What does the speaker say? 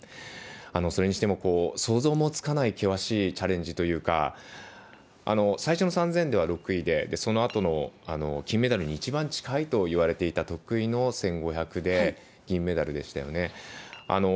それにしても想像もつかない険しいチャレンジというか最初の３０００では６位でそのあとの金メダルに一番近いといわれていた得意の１５００で銀メダルでしたよね。